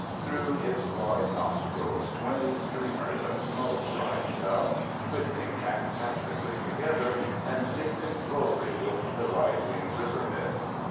Through his wide nostrils twin streamers of smoke writhed out, twisting fantastically together and mixing slowly with the rising river mist.